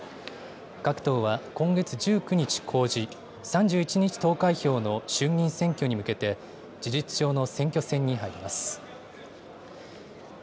各党は今月１９日公示、３１日投開票の衆議院選挙に向けて、事実上の選挙戦に入ります。